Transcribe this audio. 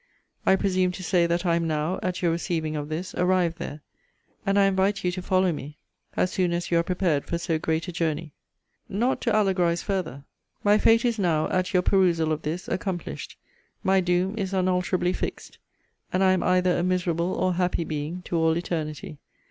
I presume to say, that I am now, at your receiving of this, arrived there; and I invite you to follow me, as soon as you are prepared for so great a journey. Not to allegorize farther my fate is now, at your perusal of this, accomplished. My doom is unalterably fixed; and I am either a miserable or happy being to all eternity.